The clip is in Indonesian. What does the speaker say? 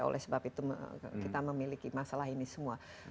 oleh sebab itu kita memiliki masalah ini semua